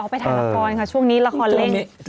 อ๋อไปถ่ายกระบอนค่ะช่วงนี้ละครเล่น